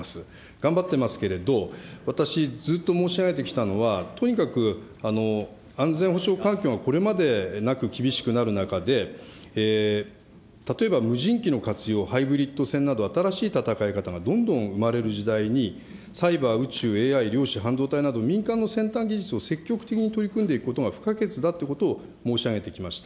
頑張ってますけれども、私、ずっと申し上げてきたのは、とにかく安全保障環境がこれまでなく厳しくなる中で、例えば無人機の活用、ハイブリッド戦など、新しい戦い方がどんどん生まれる時代に、サイバー、宇宙、ＡＩ、量子、半導体など、民間の先端技術を積極的に取り組んでいくことが不可欠だということを申し上げてきました。